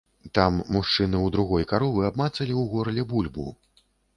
Там мужчыны ў другой каровы абмацалі ў горле бульбу.